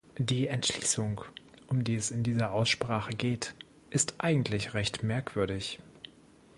Die Entschließung, um die es in dieser Aussprache geht, ist eigentlich recht merkwürdig.